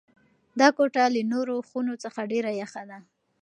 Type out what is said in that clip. دا کوټه له نورو خونو څخه ډېره یخه ده.